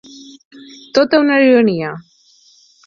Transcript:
Tota una ironia!